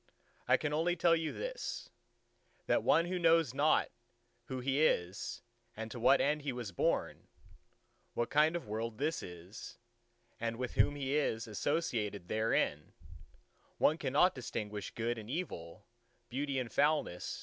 "I can only tell you this: that one who knows not who he is and to what end he was born; what kind of world this is and with whom he is associated therein; one who cannot distinguish Good and Evil, Beauty and Foulness